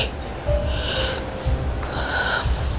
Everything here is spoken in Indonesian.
gue jadi dikurung disini